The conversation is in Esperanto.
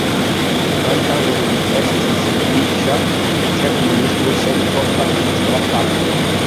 Antaŭe li estis vica ĉefministro sen propra ministra fako.